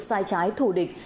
sai trái thù địch